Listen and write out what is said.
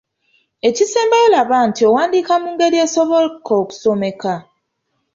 Ekisembayo laba nti owandiika mu ngeri esoboka okusomeka.